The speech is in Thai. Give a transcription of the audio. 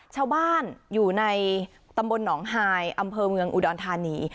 ชาวบ้านอยู่ในตำบลหนองฮายอำเภอเมืองอุดรธานี